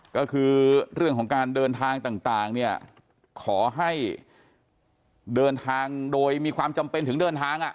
ก็คือเรื่องของการเดินทางต่างเนี่ยขอให้เดินทางโดยมีความจำเป็นถึงเดินทาง